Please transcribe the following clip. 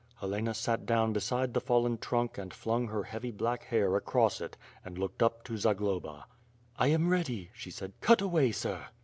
Helena sat down be side the fallen trunk and flung her heavy black hair acrosss it and looked up to Zagloba. "I am ready," she said, "cut away, sir!"